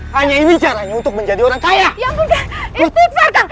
saya inside utk menjadi pekerja yang kaya